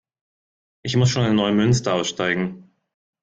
Ich muss schon in Neumünster aussteigen